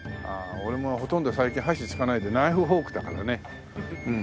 俺もうほとんど最近箸使わないでナイフフォークだからねうん。